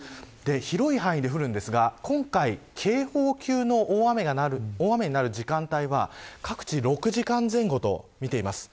広い範囲で降るんですが今回、警報級の大雨になる時間帯は各地６時間前後とみています。